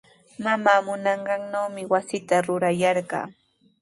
Mamaa munanqannawmi wasita rurayarqaa.